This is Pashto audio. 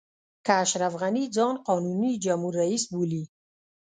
که اشرف غني ځان قانوني جمهور رئیس بولي.